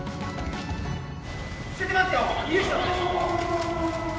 捨ててますよ！